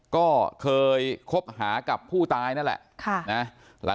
ก็เคยคบหากับผู้ตายนั่นแหละ